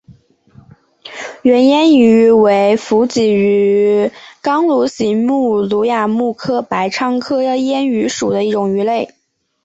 圆燕鱼为辐鳍鱼纲鲈形目鲈亚目白鲳科燕鱼属的一种鱼类。